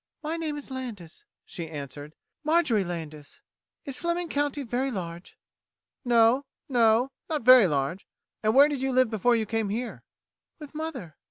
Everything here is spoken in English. "My name is Landis," she answered. "Marjorie Landis. Is Fleming County very large?" "No no. Not very large. And where did you live before you came here?" "With mother."